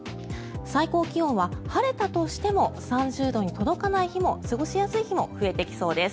最高気温は晴れたとしても３０度に届かない日も過ごしやすい日も増えそうです。